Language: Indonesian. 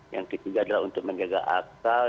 yang ketiga adalah untuk menjaga akal